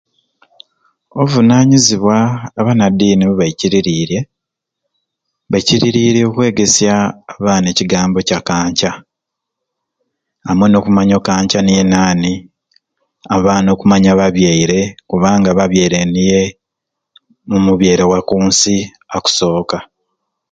Obuvunanyizibwa abanadini bubwekiririrye bakirirye okwegesya abaana ecigambo kya Kanca amwei n'okumanya okanca niye naani abaana okumanya ababyere kubanga ababyere niye omubyere wa kunsi akusoka